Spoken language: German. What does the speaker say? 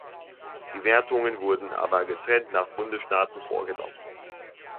Die Wertungen wurden aber getrennt nach Bundesstaaten vorgenommen.